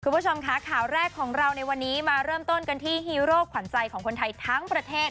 คุณผู้ชมค่ะข่าวแรกของเราในวันนี้มาเริ่มต้นกันที่ฮีโร่ขวัญใจของคนไทยทั้งประเทศ